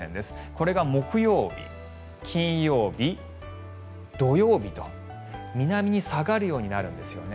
これが木曜日、金曜日、土曜日と南に下がるようになるんですよね。